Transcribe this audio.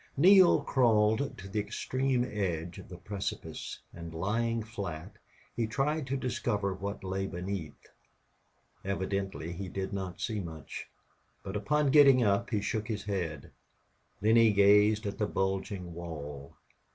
Neale crawled to the extreme edge of the precipice, and, lying flat, he tried to discover what lay beneath. Evidently he did not see much, for upon getting up he shook his head. Then he gazed at the bulging wall.